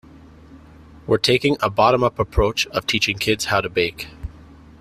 We're taking a bottom-up approach of teaching kids how to bake.